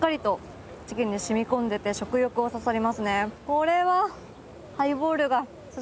これは。